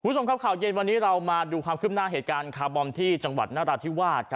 คุณผู้ชมครับข่าวเย็นวันนี้เรามาดูความขึ้นหน้าเหตุการณ์คาร์บอมที่จังหวัดนราธิวาส